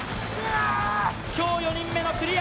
今日４人目のクリア。